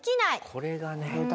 これがね。